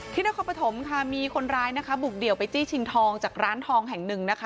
นครปฐมค่ะมีคนร้ายนะคะบุกเดี่ยวไปจี้ชิงทองจากร้านทองแห่งหนึ่งนะคะ